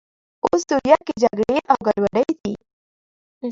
اوس سوریه کې جګړې او ګډوډۍ دي.